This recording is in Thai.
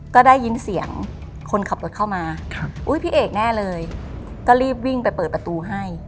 ก็ได้ยินเสียงคนขับรถเข้ามาอุ้ยพี่เอกแน่เลยก็รีบวิ่งไปเปิดประตูให้